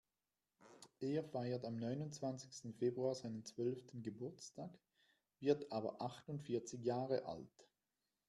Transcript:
Er feiert am neunundzwanzigsten Februar seinen zwölften Geburtstag, wird aber achtundvierzig Jahre alt.